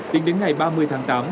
tính đến ngày ba mươi tháng tám